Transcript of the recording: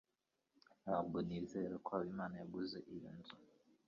Ntabwo nizera ko Habimana yaguze iyo nzu.